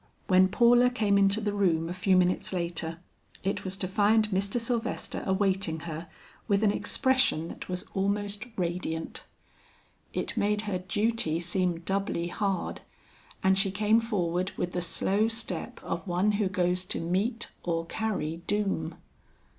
When Paula came into the room a few minutes later, it was to find Mr. Sylvester awaiting her with an expression that was almost radiant. It made her duty seem doubly hard, and she came forward with the slow step of one who goes to meet or carry doom.